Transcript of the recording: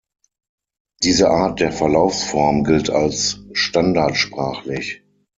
Diese Art der Verlaufsform gilt als standardsprachlich.